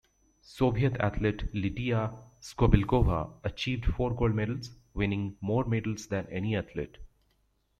Soviet athlete Lidiya Skoblikova achieved four gold medals, winning more medals than any athlete.